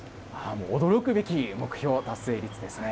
もう驚くべき目標達成率ですね。